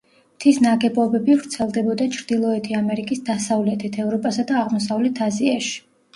მთის ნაგებობები ვრცელდებოდა ჩრდილოეთი ამერიკის დასავლეთით, ევროპასა და აღმოსავლეთ აზიაში.